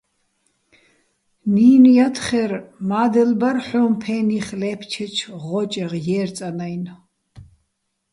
ნინო̆ ჲათხერ: მა́დელ ბარ ჰ̦ო́ჼ ფეხ ლე́ფჩეჩო̆ ღო́ჭეღ ჲე́რწანაჲნო̆.